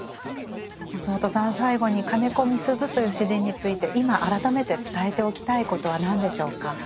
松本さん最後に金子みすゞという詩人について今改めて伝えておきたいことは何でしょうか？